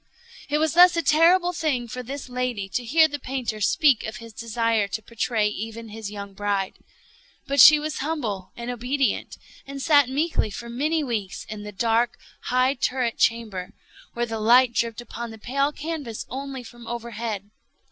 It was thus a terrible thing for this lady to hear the painter speak of his desire to portray even his young bride. But she was humble and obedient, and sat meekly for many weeks in the dark, high turret chamber where the light dripped upon the pale canvas only from overhead.